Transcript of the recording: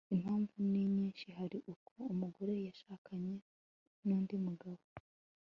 impamvu ni nyishi, hari uko umugore yashakanye n'undi mugabo